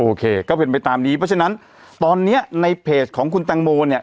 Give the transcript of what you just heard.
ก็เป็นไปตามนี้เพราะฉะนั้นตอนนี้ในเพจของคุณแตงโมเนี่ย